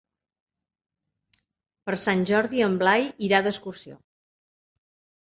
Per Sant Jordi en Blai irà d'excursió.